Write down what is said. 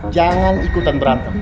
jangan ikutan berantem